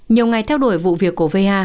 nhiều ngày theo đuổi vụ việc cổ vệ